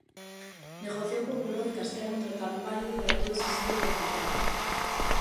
Negociou coa Coroa de Castela un tratado válido para todas as illas do arquipélago.